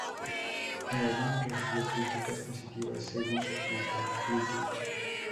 El álbum recibió críticas positivas según Metacritic.